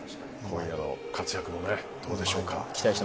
今夜の活躍もどうでしょうか。